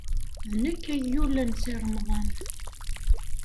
D nekk ay yullen Si Remḍan.